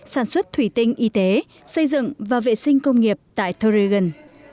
sản xuất thủy tinh y tế xây dựng và vệ sinh công nghiệp tại thurigan